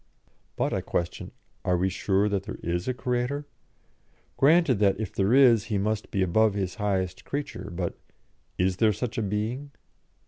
But, I questioned, are we sure that there is a Creator? Granted that, if there is, He must be above His highest creature, but is there such a being?